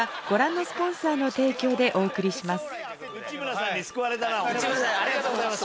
内村さんありがとうございます。